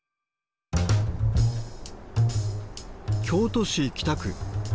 京都市北区。